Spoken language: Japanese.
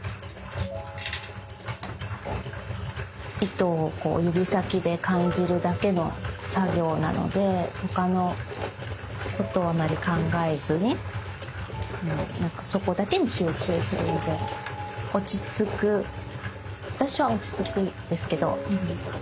糸をこう指先で感じるだけの作業なので他のことはあまり考えずにそこだけに集中するので落ち着く私は落ち着くんですけど。